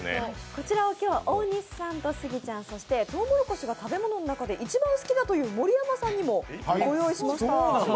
こちらを今日、大西さんとスギちゃん、そしてとうもろこしが食べ物で一番好きだという盛山さんにもご用意しました。